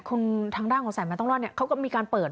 คุณทางด้านของสายใหม่ต้องรอดเนี่ยเขาก็มีการเปิด